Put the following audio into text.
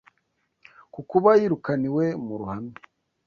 ku kuba yirukaniwe mu ruhame